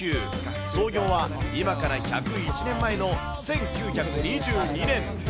創業は今から１０１年前の１９２２年。